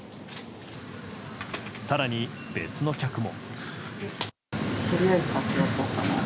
更に別の客も。